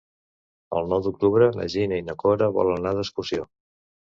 El nou d'octubre na Gina i na Cora volen anar d'excursió.